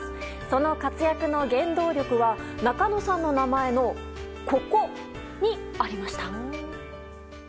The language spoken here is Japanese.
その活躍の原動力は仲野さんの名前のここにありました。